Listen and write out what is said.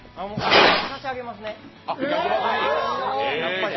これだけ差し上げますね。